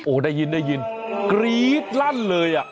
โอ้ได้ยินกรี๊ดลั่นเลย